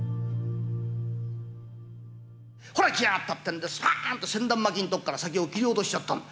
ほら来やがったってんでスパーンと千段巻の所から先を切り落としちゃったの。